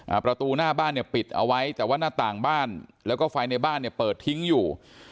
ประตูหน้าบ้านเนี่ยปิดเอาไว้แต่ว่าหน้าต่างบ้านแล้วก็ไฟในบ้านเนี่ยเปิดทิ้งอยู่